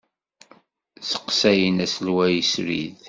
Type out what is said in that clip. Sseqsayen aselway srid.